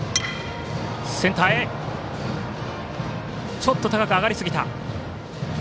ちょっと高く上がりすぎた。